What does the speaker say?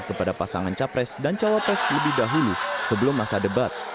kepada pasangan capres dan cawapres lebih dahulu sebelum masa debat